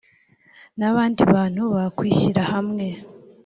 n abandi bantu bakwishyira hamwe